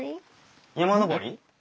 山登り？